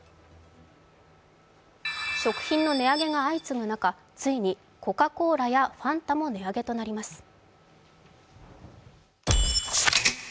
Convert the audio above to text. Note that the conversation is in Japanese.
食品の値上げが相次ぐ中、ついにコカ・コーラやファンタも値上げとなります。